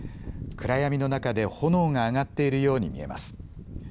暗闇の中で炎が上がっているように見えます。